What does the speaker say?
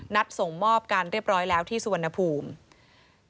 ส่งมอบกันเรียบร้อยแล้วที่สุวรรณภูมิ